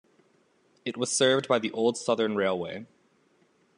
It was served by the old Southern Railway.